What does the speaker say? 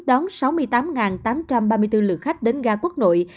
đón sáu mươi tám tám trăm ba mươi bốn lượt khách đến ga quốc nội